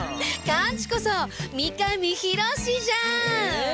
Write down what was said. カンチこそ三上博史じゃん！